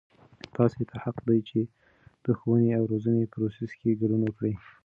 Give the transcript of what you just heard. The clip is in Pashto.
تاسې ته حق دی چې د ښووني او روزنې پروسې کې ګډون وکړئ.